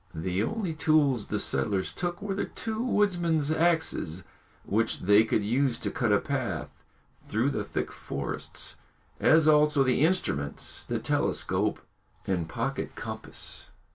The only tools the settlers took were the two woodmen's axes, which they could use to cut a path through the thick forests, as also the instruments, the telescope and pocket compass.